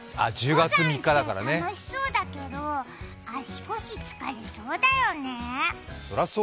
登山って楽しそうだけど足腰疲れそうだよね。